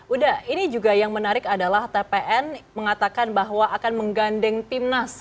udah ini juga yang menarik adalah tpn mengatakan bahwa akan menggandeng timnas